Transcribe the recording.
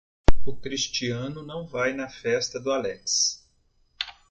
O Cristiano não vai na festa do Alex.